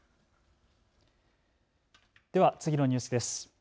では次のニュースです。